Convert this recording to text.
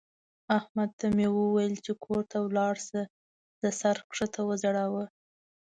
احمد ته مې وويل چې کور ته ولاړ شه؛ ده سر کښته وځړاوو.